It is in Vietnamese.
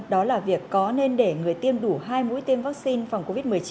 đó là việc có nên để người tiêm đủ hai mũi tiêm vaccine phòng covid một mươi chín